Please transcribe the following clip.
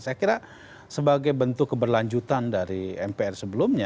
saya kira sebagai bentuk keberlanjutan dari mpr sebelumnya